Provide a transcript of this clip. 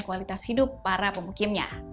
kualitas hidup para pemukimnya